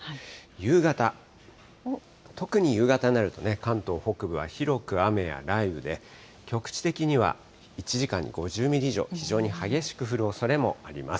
夕方、特に夕方になるとね、関東北部は広く雨や雷雨で、局地的には１時間に５０ミリ以上、非常に激しく降るおそれもあります。